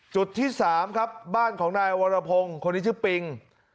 จุดที่๓ครับบ้านของนายวรพงศ์คนนี้ชื่อปิง